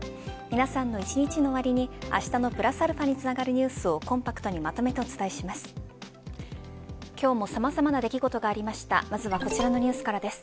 皆さんの一日の終わりにあしたのプラスαにつながるニュースをコンパクトにまとめてお伝えします。